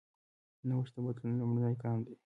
نوښت د بدلون لومړنی ګام دی.